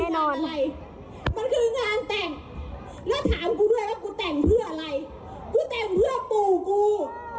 อะไรมันคืองานแต่งแล้วถามกูด้วยว่ากูแต่งเพื่ออะไรกูแต่งเพื่อปู่กู